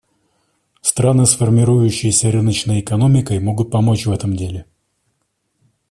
Страны с формирующейся рыночной экономикой могут помочь в этом деле.